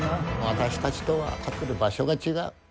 私たちとは立ってる場所が違う。